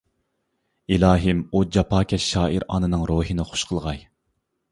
ئىلاھىم ئۇ جاپاكەش شائىرە ئانىنىڭ روھىنى خۇش قىلغاي.